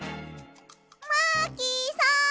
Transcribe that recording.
マーキーさん！